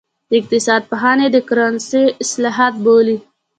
اقتصاد پوهان یې د کرنسۍ اصلاحات بولي.